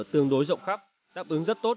tương đối rộng khắp đáp ứng rất tốt